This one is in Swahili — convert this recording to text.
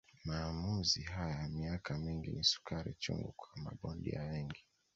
Maamuzi haya ya miaka mingi ni sukari chungu kwa mabondia wengi